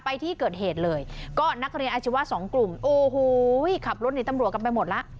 ไปที่เกิดเหตุเลยก็นักเรียนอาชีวะสองกลุ่มโอ้โหขับรถหนีตำรวจกันไปหมดแล้ว